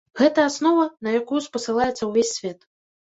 Гэта аснова, на якую спасылаецца ўвесь свет.